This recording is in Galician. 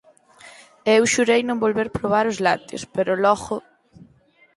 E eu xurei non volver probar os lácteos, pero logo